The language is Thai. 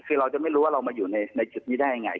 คือเราจะไม่รู้ว่าเรามาอยู่ในจุดนี้ได้ยังไง